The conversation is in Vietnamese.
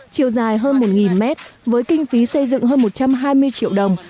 chiều dài hơn một mét với kinh phí xây dựng hơn một trăm hai mươi triệu đồng